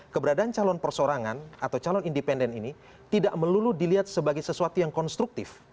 keberadaan calon persorangan atau calon independen ini tidak melulu dilihat sebagai sesuatu yang konstruktif